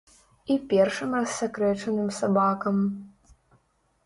І першым рассакрэчаным сабакам.